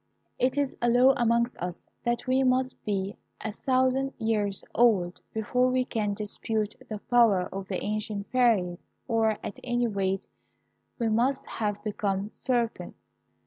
"It is a law amongst us that we must be a thousand years old before we can dispute the power of the ancient fairies, or at any rate we must have become serpents.